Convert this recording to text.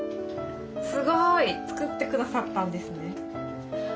すごい作ってくださったんですね。